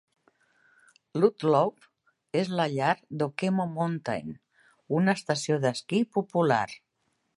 Ludlow és la llar d'Okemo Mountain, una estació d'esquí popular.